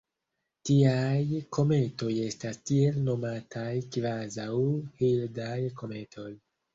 Tiaj kometoj estas tiel nomataj kvazaŭ-Hildaj kometoj.